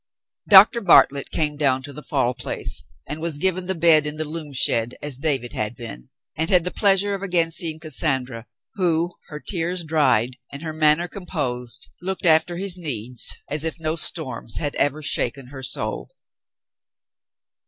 Doctor Bartlett came down to the Fall Place and was given the bed in the loom shed as David had been, and had the pleasure of again seeing Cassandra, who, her tears dried, and her manner composed, looked after his needs as if no storms had ever shaken her soul.